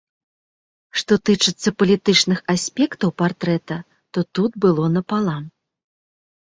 Што тычыцца палітычных аспектаў партрэта, то тут было напалам.